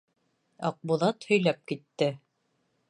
Аҡбуҙат һөйләп китте: